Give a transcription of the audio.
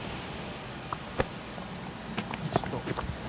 ちょっと。